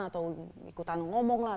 atau ikutan ngomong lah